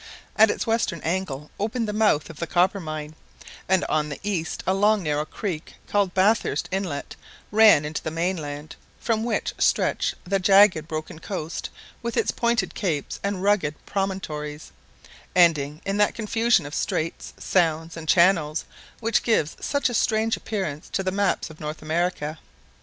At its western angle opened the mouth of the Coppermine; and on the east a long narrow creek called Bathurst Inlet ran into the mainland, from which stretched the jagged broken coast with its pointed capes and rugged promontories, ending in that confusion of straits, sounds, and channels which gives such a strange appearance to the maps of North America.